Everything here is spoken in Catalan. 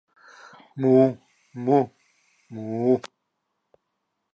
Muu, muu, muu!